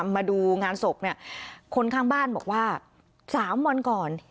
มาดูงานศพเนี่ยคนข้างบ้านบอกว่า๓วันก่อน